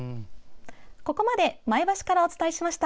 ここまで前橋からお伝えしました。